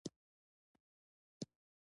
شپون رمه پيایي.